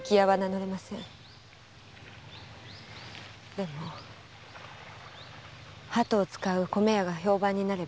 でもハトを使う米屋が評判になれば。